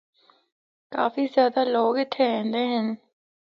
کافی زیادہ لوگ اِتھا ایندے ہن۔